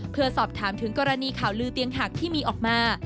เพื่อสอบถามถึงกรณีข่าวลือเตียงหักที่มีออกมา